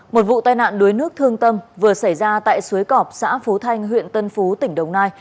một vụ tai nạn đuối nước thương tâm vừa xảy ra tại suối cọp xã phú thanh huyện tân phú tỉnh đồng nai